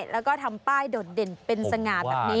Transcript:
แล้วก็ทำป้ายโดดเด่นเป็นสง่าแบบนี้